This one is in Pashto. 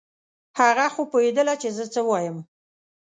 هغه خو پوهېدله چې زه څه وایم.